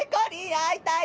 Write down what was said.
会いたい！